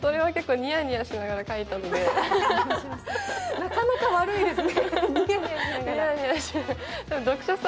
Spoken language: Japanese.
なかなか悪いですね。